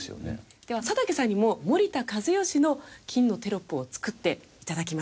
では佐竹さんにも「森田一義」の金のテロップを作って頂きましょう。